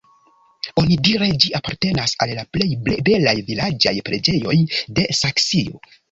Onidire ĝi apartenas al la plej belaj vilaĝaj preĝejoj de Saksio.